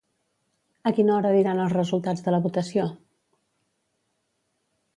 A quina hora diran els resultats de la votació?